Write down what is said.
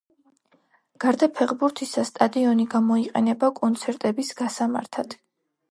გარდა ფეხბურთისა, სტადიონი გამოიყენება კონცერტების გასამართად.